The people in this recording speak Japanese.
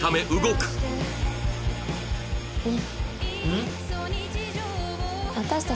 うん？